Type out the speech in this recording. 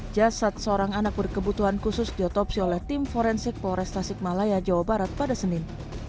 jasad seorang anak berkebutuhan khusus diotopsi oleh tim forensik polres tasikmalaya jawa barat pada senin